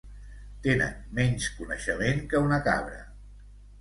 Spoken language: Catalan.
Tenen menys coneixement que una cabra.